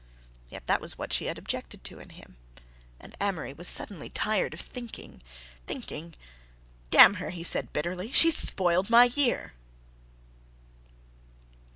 Yet that was what she had objected to in him; and Amory was suddenly tired of thinking, thinking! "Damn her!" he said bitterly, "she's spoiled my year!"